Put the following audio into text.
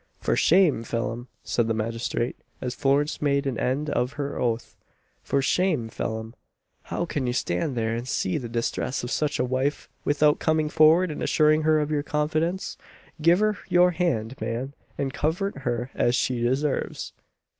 "For shame, Phelim!" said the magistrate, as Florence made an end of her oath "For shame, Phelim! How can you stand there and see the distress of such a wife, without coming forward and assuring her of your confidence? Give her your hand, man, and comfort her as she deserves."